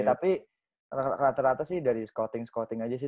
tapi rata rata sih dari scouting scouting aja sih